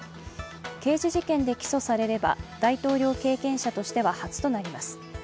刑事事件で起訴されれば大統領経験者としては初となります。